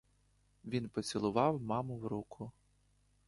Він поцілував маму в руку.